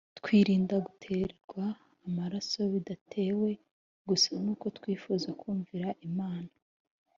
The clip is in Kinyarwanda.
twirinda guterwa amaraso bidatewe gusa n’uko twifuza kumvira Imana